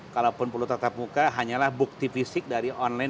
kalaupun perlu tetap muka hanyalah bukti fisik dari online